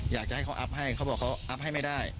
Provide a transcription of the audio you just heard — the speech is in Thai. อยากจะให้เขาอัพให้เขาบอกเขาอัพให้ไม่ได้